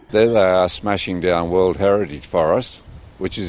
di sana mereka mengembangkan hutan perintah dunia